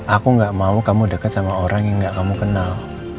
aku gak mau kamu dekat sama orang yang gak kamu kenal